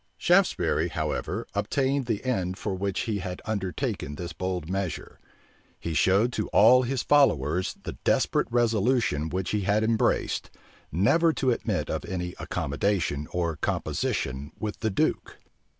Shaftesbury, however, obtained the end for which he had undertaken this bold measure: he showed to all his followers the desperate resolution which he had embraced, never to admit of any accommodation or composition with the duke.